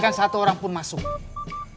pokoknya penuh dengan kenasaan sudena aberdeen